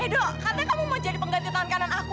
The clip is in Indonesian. edo katanya kamu mau jadi pengganti tangan kanan aku